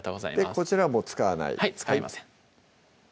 こちらはもう使わないはい使いません